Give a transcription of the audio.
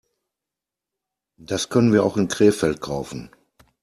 Das können wir auch in Krefeld kaufen